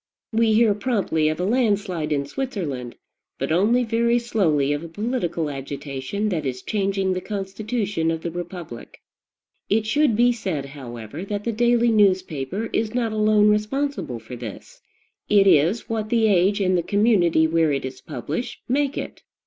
We hear promptly of a landslide in Switzerland, but only very slowly of a political agitation that is changing the constitution of the republic. It should be said, however, that the daily newspaper is not alone responsible for this: it is what the age and the community where it is published make it.